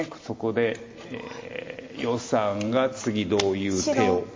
そこで余さんが次どういう手を。